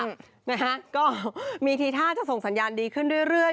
นะฮะก็มีทีท่าจะส่งสัญญาณดีขึ้นเรื่อย